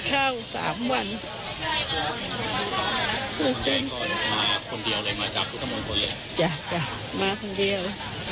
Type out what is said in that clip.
จ๊ะมาคนเดียว